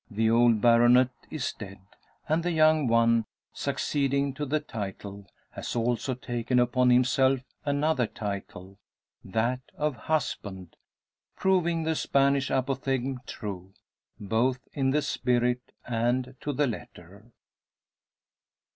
The old baronet is dead, and the young one, succeeding to the title, has also taken upon himself another title that of husband proving the Spanish apothegm true, both in the spirit and to the letter.